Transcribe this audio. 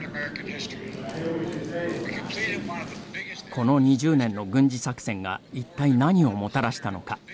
この２０年の軍事作戦が一体何をもたらしたのか。